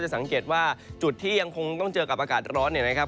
สังเกตว่าจุดที่ยังคงต้องเจอกับอากาศร้อนเนี่ยนะครับ